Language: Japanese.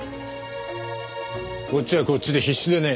こっちはこっちで必死でね。